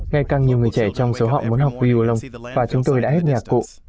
ngay càng nhiều người trẻ trong số họ muốn học viô lông và chúng tôi đã hết nhạc cụ